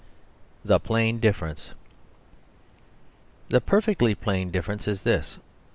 The Plain Difference The perfectly plain difference is this.